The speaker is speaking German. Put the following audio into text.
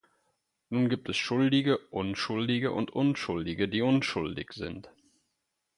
Nun gibt es schuldige Unschuldige und Unschuldige, die unschuldig sind.